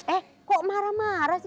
eh kok marah marah sih